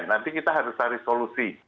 nanti kita harus cari solusi